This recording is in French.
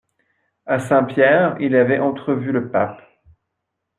A Saint-Pierre, il avait entrevu le pape.